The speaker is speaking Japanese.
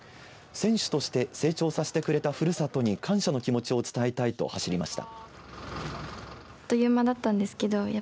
選手として成長させてくれたふるさとに感謝の気持ちを伝えたいと走りました。